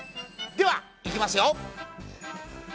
ではいきますよ。